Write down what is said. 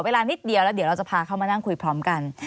แล้วเดี๋ยวเราจะพาเขามานั่งคุยพร้อมกัน